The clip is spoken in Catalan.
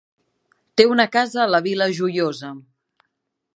Té una casa a la Vila Joiosa.